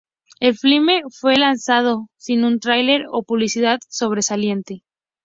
El filme fue lanzado sin un tráiler o publicidad sobresaliente.